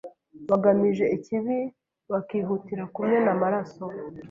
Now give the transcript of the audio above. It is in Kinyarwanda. bagamije ikibi bakihutira kumena amaraso.